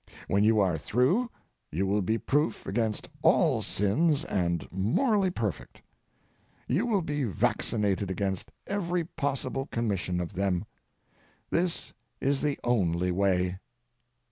When you are through you will be proof against all sins and morally perfect. You will be vaccinated against every possible commission of them. This is the only way.